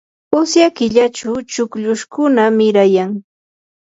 usya killachu chukllushkuna mirayan.